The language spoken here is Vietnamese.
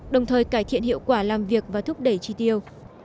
đồng thời cải thiện hiệu quả làm việc và thúc đẩy chi tiêu